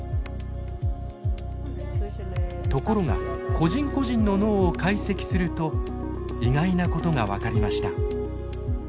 ところが個人個人の脳を解析すると意外なことが分かりました。